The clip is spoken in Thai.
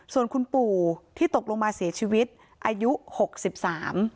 ส่วนคุณปู่ที่ตกลงมาเสียชีวิตอายุหกสิบสาม